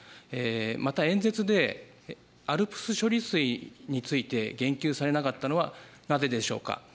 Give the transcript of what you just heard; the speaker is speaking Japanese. また演説でＡＬＰＳ処理水について言及されなかったのはなぜでしょうか。